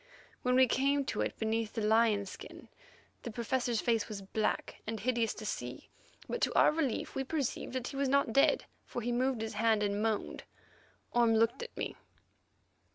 When we came to it beneath the lion skin, the Professor's face was black and hideous to see, but, to our relief, we perceived that he was not dead, for he moved his hand and moaned. Orme looked at me.